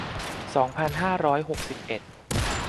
สองพันห้าร้อยหกสิบเอ็ด